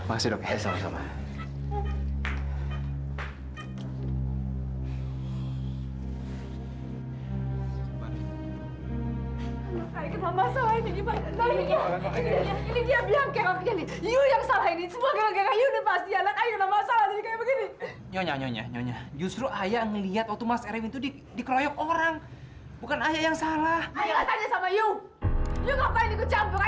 aku tidak kenal sama anak mereka dikenalin saja enggak